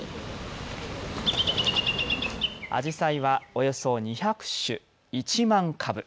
アジサイはおよそ２００種、１万株。